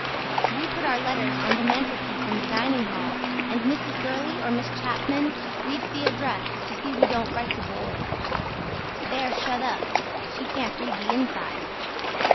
WE PUT OUR LETTERS ON THE MANTLEPIECE IN THE DINING HALL AND MRS. GURLEY OR MISS CHAPMAN READ THE ADRESS TO SEE WE DON'T WRITE TO BOYS. THEY ARE SHUT UP SHE CANT READ THE INSIDE.